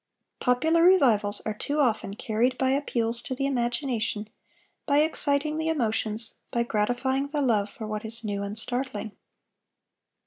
Popular revivals are too often carried by appeals to the imagination, by exciting the emotions, by gratifying the love for what is new and startling.